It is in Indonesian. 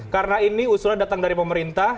karena ini usulan datang dari pemerintah